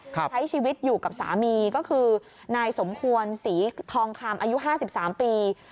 ใช้ชีวิตอยู่กับสามีก็คือนายสมควรศรีทองคำอายุ๕๓ปี